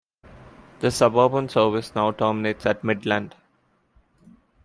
The suburban service now terminates at Midland.